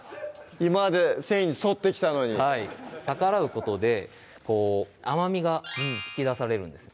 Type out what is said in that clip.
今まで繊維に沿ってきたのにはい逆らうことで甘みが引き出されるんです